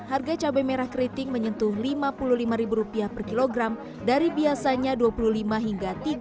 harga cabai merah keriting menyentuh lima puluh lima rupiah per kilogram dari biasanya rp dua puluh lima hingga tiga puluh